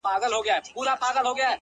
نن: سیاه پوسي ده ـ